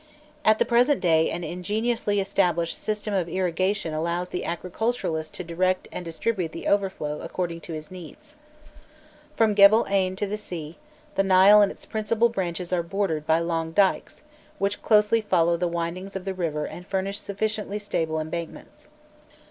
At the present day an ingeniously established system of irrigation allows the agriculturist to direct and distribute the overflow according to his needs. From Gebel Ain to the sea, the Nile and its principal branches are bordered by long dykes, which closely follow the windings of the river and furnish sufficiently stable embankments.